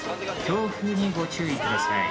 強風にご注意ください。